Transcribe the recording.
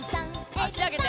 あしあげて。